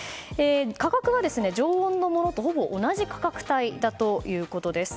価格は常温のものとほぼ同じ価格帯ということです。